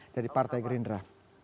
dari partai gerindra